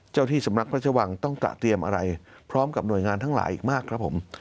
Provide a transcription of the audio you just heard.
เจ้าที่สำนักพระชวังต้องตระเตรียมอะไรพร้อมกับหน่วยงานทั้งหลายอีกมากครับผม